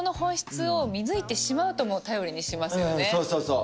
そうそうそう。